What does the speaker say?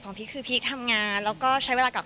แต่ก็ไม่ได้คิดว่ารีบขนาดนั้นเอาชัวร์ดีกว่า